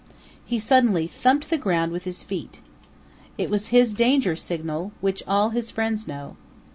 He suddenly thumped the ground with his feet. It was his danger signal which all his friends know.